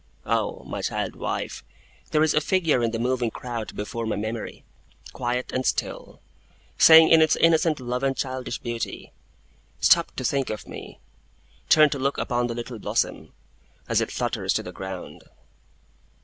O, my child wife, there is a figure in the moving crowd before my memory, quiet and still, saying in its innocent love and childish beauty, Stop to think of me turn to look upon the Little Blossom, as it flutters to the ground!